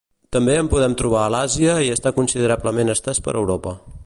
També en podem trobar a l'Àsia i està considerablement estès per Europa.